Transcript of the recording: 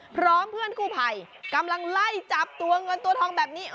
พร้อมเพื่อนกู้ภัยกำลังไล่จับตัวเงินตัวทองแบบนี้